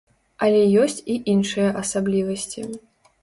Але ёсць і іншыя асаблівасці.